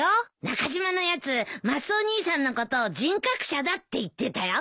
中島のやつマスオ兄さんのことを人格者だって言ってたよ。